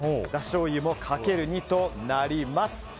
だしじょうゆもかける２となります。